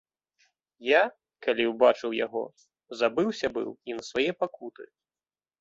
Я, калі ўбачыў яго, забыўся быў і на свае пакуты.